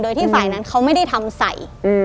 โดยที่ฝ่ายนั้นเขาไม่ได้ทำใส่